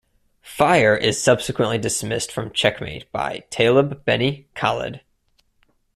Fire is subsequently dismissed from Checkmate by Taleb Beni Khalid.